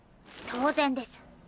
当然です。